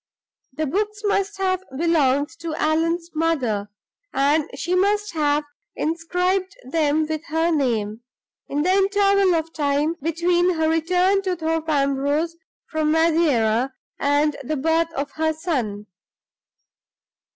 The books must have belonged to Allan's mother; and she must have inscribed them with her name, in the interval of time between her return to Thorpe Ambrose from Madeira and the birth of her son.